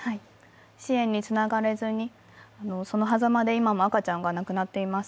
支援につながれずに、その狭間で今も赤ちゃんが亡くなっています。